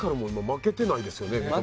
負けてないですね。